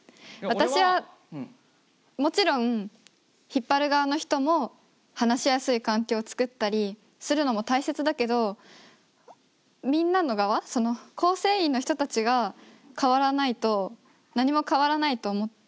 私はもちろん引っ張る側の人も話しやすい環境を作ったりするのも大切だけどみんなの側その構成員の人たちが変わらないと何も変わらないと思ってる。